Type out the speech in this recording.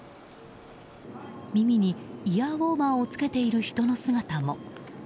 耳にイヤーウォーマーを着けている人の姿も。